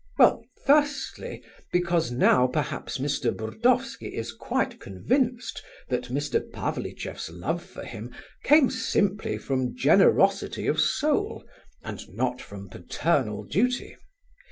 "Well, firstly, because now perhaps Mr. Burdovsky is quite convinced that Mr. Pavlicheff's love for him came simply from generosity of soul, and not from paternal duty.